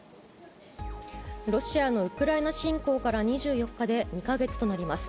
ロシアのウクライナ侵攻から２４日で２か月となります。